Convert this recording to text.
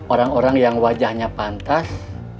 orang orang yang wajahnya pantas